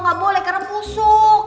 gak boleh karena pusuk